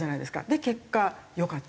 で結果良かったと。